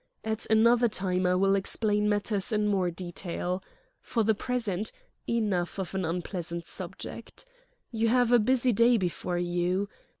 At another time I will explain matters in more detail. For the present—enough of an unpleasant subject. You have a busy day before you.